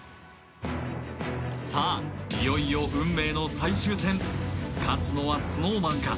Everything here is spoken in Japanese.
いよいよ運命の最終戦勝つのはＳｎｏｗＭａｎか？